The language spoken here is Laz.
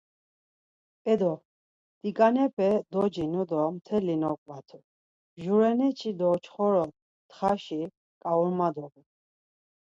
Edo, tiǩanepe docinu do mteli noǩvatu, jureneçi do çxoro txaşi ǩauma dovu.